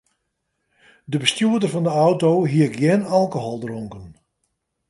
De bestjoerder fan de auto hie gjin alkohol dronken.